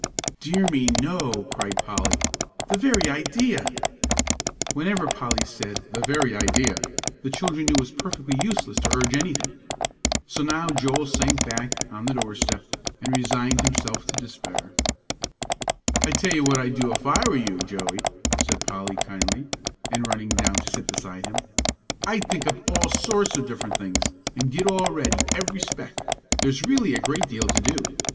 "Dear me, no," cried Polly. "The very idea!" Whenever Polly said, "The very idea!" the children knew it was perfectly useless to urge anything. So now Joel sank back on the doorstep and resigned himself to despair. "I tell you what I'd do if I were you, Joey," said Polly, kindly, and running down to sit beside him. "I'd think up all sorts of different things, and get all ready, every speck. There's really a great deal to do.